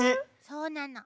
そうなの。